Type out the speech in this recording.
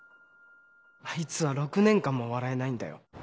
あいつは６年間も笑えないんだよ。